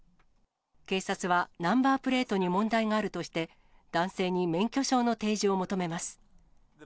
警察はナンバープレートに問題があるとして、男性に免許証の提示を求めます。